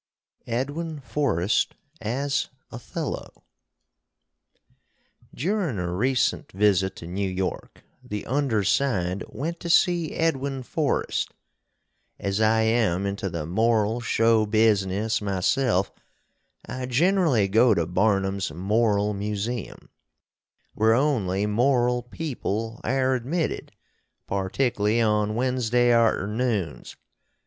EDWIN FORREST AS OTHELLO Durin a recent visit to New York the undersined went to see Edwin Forrest. As I am into the moral show biziness myself I ginrally go to Barnum's moral museum, where only moral peeple air admitted, partickly on Wednesday arternoons.